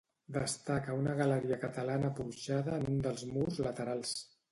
Destaca una galeria catalana porxada en un dels murs laterals